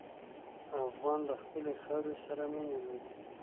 افغان له خپلې خاورې سره مینه لري.